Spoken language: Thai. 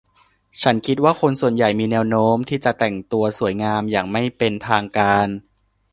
ฉันคิดว่าคนส่วนใหญ่มีแนวโน้มที่จะแต่งตัวสวยงามอย่างไม่เป็นทางการ